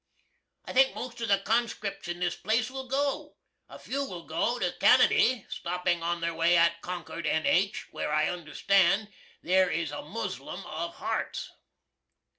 I think most of the conscrips in this place will go. A few will go to Canady, stopping on their way at Concord, N.H., where I understan there is a Muslum of Harts.